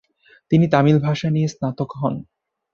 তিনি তামিল ভাষা নিয়ে স্নাতক হন।